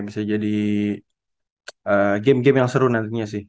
bisa jadi game game yang seru nantinya sih